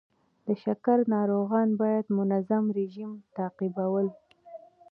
د شکر ناروغان باید منظم رژیم تعقیبول.